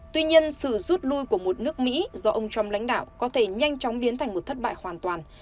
tuy nhiên sự rút lui của một nước mỹ do ông trump lãnh đạo có thể nhanh chóng biến thành một thất bại hoàn toàn